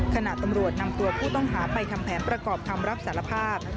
ขณะตำรวจนำตัวผู้ต้องหาไปทำแผนประกอบคำรับสารภาพ